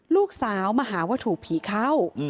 ลูกสาวมาหาว่าถูกผีเข้า